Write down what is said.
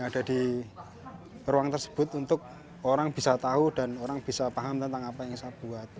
ada di ruang tersebut untuk orang bisa tahu dan orang bisa paham tentang apa yang saya buat